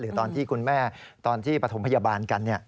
ตอนที่คุณแม่ตอนที่ปฐมพยาบาลกัน